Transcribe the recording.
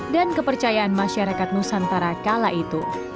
dan kepercayaan masyarakat nusantara kala itu